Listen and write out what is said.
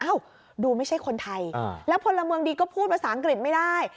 ดูไม่ใช่คนไทยแล้วพลเมืองดีก็พูดภาษาอังกฤษไม่ได้